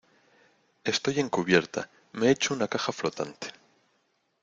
estoy en cubierta. me he hecho una caja flotante .